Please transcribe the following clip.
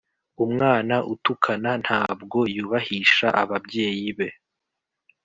Umwana utukana ntabwo yubahisha ababyeyi be